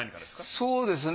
そうですね。